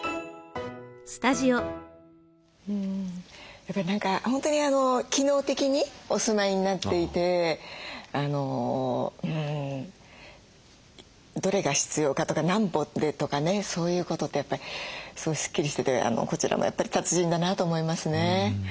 やっぱり何か本当に機能的にお住まいになっていてどれが必要かとか何歩でとかねそういうことってやっぱりすごいスッキリしててこちらもやっぱり達人だなと思いますね。